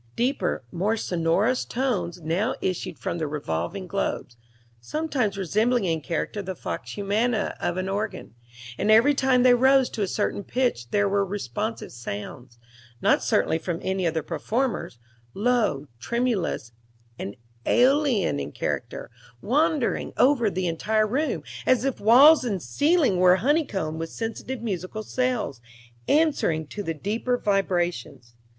Deeper, more sonorous tones now issued from the revolving globes, sometimes resembling in character the vox humana of an organ, and every time they rose to a certain pitch there were responsive sounds not certainly from any of the performers low, tremulous, and Aeolian in character, wandering over the entire room, as if walls and ceiling were honey combed with sensitive musical cells, answering to the deeper vibrations.